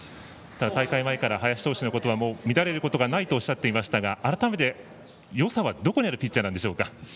大会前から林投手のことは乱れることはないとおっしゃってましたが改めてよさは、どこにあるピッチャーでしょうか。